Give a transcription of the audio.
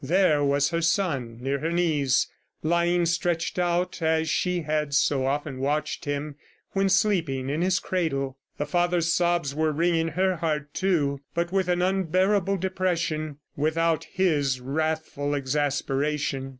... There was her son near her knees, lying stretched out as she had so often watched him when sleeping in his cradle! ... The father's sobs were wringing her heart, too, but with an unbearable depression, without his wrathful exasperation.